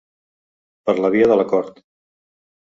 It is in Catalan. Per la via de l’acord.